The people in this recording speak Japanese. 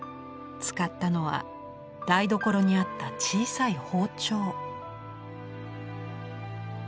使ったのは台所にあった小さい包丁。